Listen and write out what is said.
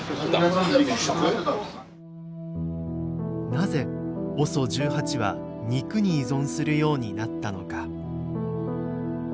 なぜＯＳＯ１８は肉に依存するようになったのか。